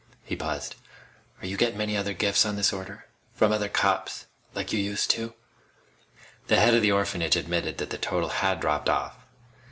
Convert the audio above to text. He paused. "Are you gettin' many other gifts on this order, from other cops? Like you used to?" The head of the orphanage admitted that the total had dropped off.